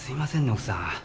奥さん。